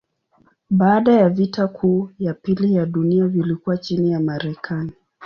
Baada ya vita kuu ya pili ya dunia vilikuwa chini ya Marekani.